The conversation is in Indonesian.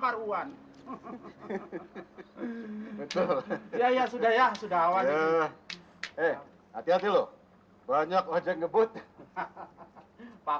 karuan betul ya ya sudah ya sudah awal eh hati hati loh banyak wajah ngebut hahaha pak